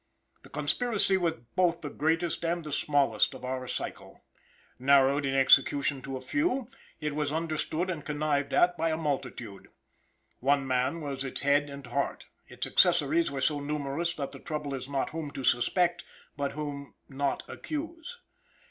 The conspiracy was both the greatest and the smallest of our cycle. Narrowed in execution to a few, it was understood and connived at by a multitude. One man was its head and heart; its accessories were so numerous that the trouble is not whom to suspect, but whom not accuse.